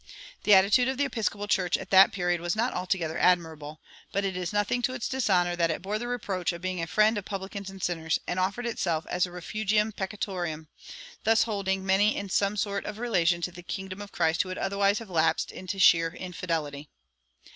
[178:1] The attitude of the Episcopal Church at that period was not altogether admirable; but it is nothing to its dishonor that it bore the reproach of being a friend of publicans and sinners, and offered itself as a refugium peccatorum, thus holding many in some sort of relation to the kingdom of Christ who would otherwise have lapsed into sheer infidelity.